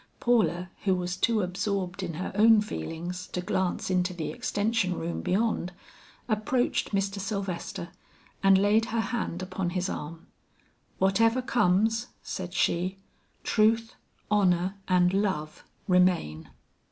Paula, who was too absorbed in her own feelings to glance into the extension room beyond, approached Mr. Sylvester and laid her hand upon his arm. "Whatever comes," said she, "truth, honor and love remain."